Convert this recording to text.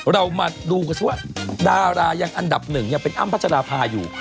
เรามาดูกันซิว่าดารายังอันดับ๑เป็นอั้มพระจรภาพอยู่